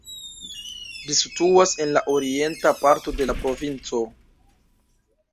Ĝi situas en la orienta parto de la provinco.